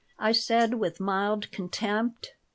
I said, with mild contempt.